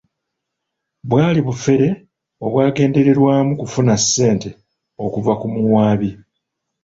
Bwali bufere obwagendererwamu kufuna ssente okuva ku muwaabi.